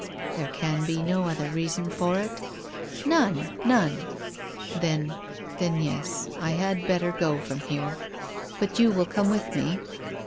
" There can be no other reason for it ?"" None — none." " Then — then, yes, I had better go from here, liat you will come with me